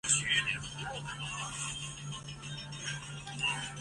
美国公民的选举权经历了一个非常漫长而且缓慢的发展历程。